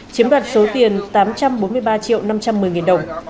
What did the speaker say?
chiếm đoạt số tiền tám trăm bốn mươi ba triệu năm trăm một mươi nghìn đồng